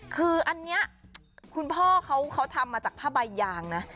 คืออันนี้คุณพ่อเขาทำมาจากผ้าใบยางนะ